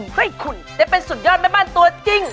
ให้คุณได้เป็นสุดยอดแม่บ้านตัวจริง